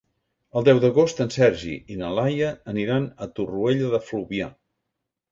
El deu d'agost en Sergi i na Laia aniran a Torroella de Fluvià.